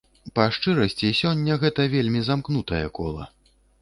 Па шчырасці, сёння гэта вельмі замкнутае кола.